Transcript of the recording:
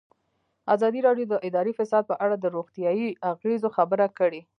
ازادي راډیو د اداري فساد په اړه د روغتیایي اغېزو خبره کړې.